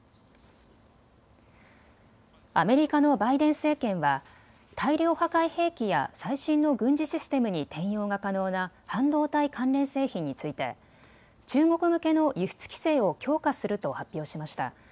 アメリカのバイデン政権は大量破壊兵器や最新の軍事システムに転用が可能な半導体関連製品について中国向けの輸出規制を強化すると発表しました。